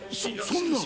そんな。